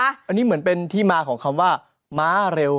อันนี้เหมือนเป็นที่มาของคำว่าม้าเร็ว